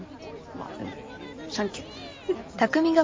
まあでもサンキュー。